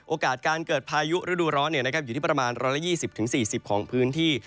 โอกาสการเกิดพายุฤดูร้อนอยู่ที่ประมาณ๑๒๐๔๐ของพื้นที่